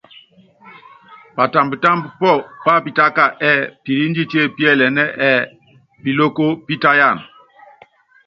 Patambtámb pɔ́ pápitáka ɛ́ɛ piliínditié píɛlɛnɛ́ ɛ́ɛ Piloko pítáyan.